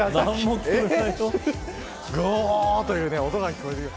ごーという音が聞こえる。